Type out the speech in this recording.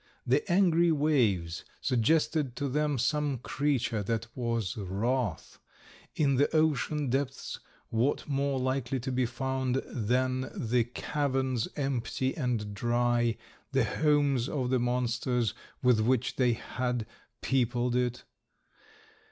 The angry waves suggested to them some creature that was wroth; in the ocean depths what more likely to be found than the caverns empty and dry, the homes of the monsters with which they had peopled it?